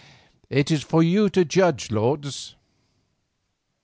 It is for you to judge, lords."